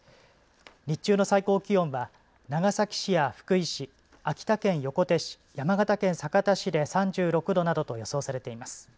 日中の最高気温は長崎市や福井市、秋田県横手市、山形県酒田市で３６度などと予想されています。